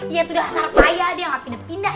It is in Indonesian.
ya udah sarap ayah dia nggak pindah pindah